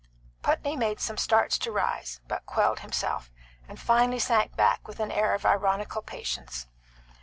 Putney made some starts to rise, but quelled himself, and finally sank back with an air of ironical patience.